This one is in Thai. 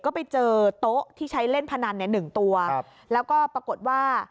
ก็ไปเจอโต๊ะที่ใช้เล่นพนันเนี่ยหนึ่งตัวครับแล้วก็ปรากฏว่า